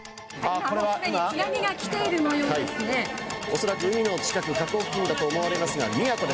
恐らく海の近く河口付近だと思われます。